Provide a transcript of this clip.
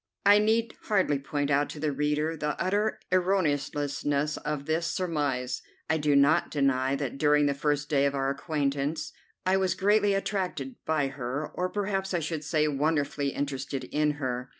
I need hardly point out to the reader the utter erroneousness of this surmise. I do not deny that during the first day of our acquaintance I was greatly attracted by her, or perhaps I should say wonderfully interested in her.